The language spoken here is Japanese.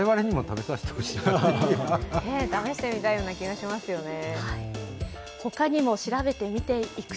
試してみたいような気がしますよね。